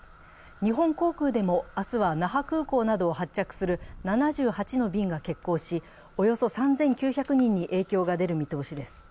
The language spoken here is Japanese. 日本航空でも明日は那覇空港などを発着する７８の便が欠航しおよそ３９００人に影響が出る見通しです。